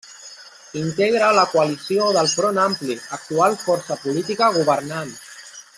Integra la coalició del Front Ampli, actual força política governant.